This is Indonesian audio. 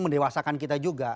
mendewasakan kita juga